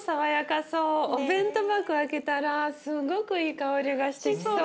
お弁当箱開けたらすごくいい香りがしてきそう。